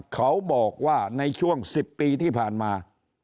เขาบอกว่าในช่วง๑๐ปีที่ผ่านมา